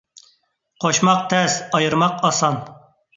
قوشماق تەس، ئايرىماق ئاسان.